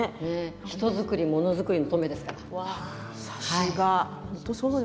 人づくり、ものづくりの登米ですからさすが。